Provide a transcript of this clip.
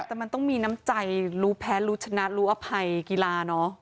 แต่มันต้องมีน้ำใจรู้แพ้รู้ชนะรู้อภัยกีฬาเนอะ